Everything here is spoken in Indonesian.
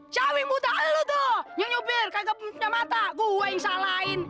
cami buta lo tuh nyupir kagak punya mata gue yang salahin